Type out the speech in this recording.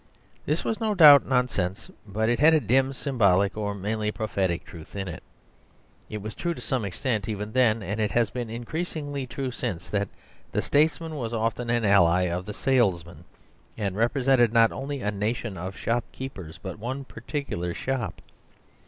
This was, no doubt, nonsense; but it had a dim symbolic, or mainly prophetic, truth in it. It was true, to some extent even then, and it has been increasingly true since, that the statesman was often an ally of the salesman; and represented not only a nation of shopkeepers, but one particular shop.